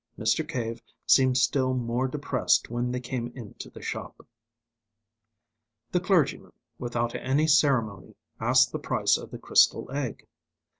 Mr. Cave seemed still more depressed when they came into the shop. The clergyman, without any ceremony, asked the price of the crystal egg.